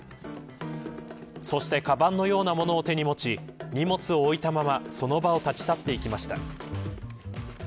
そしてかばんのようなものを手に持ち荷物を置いたままその場を立ち去っていきました。